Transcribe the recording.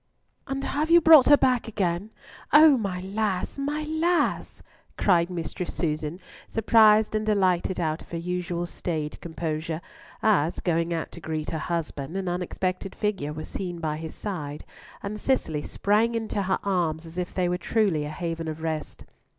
"And have you brought her back again! O my lass! my lass!" cried Mistress Susan, surprised and delighted out of her usual staid composure, as, going out to greet her husband, an unexpected figure was seen by his side, and Cicely sprang into her arms as if they were truly a haven of rest.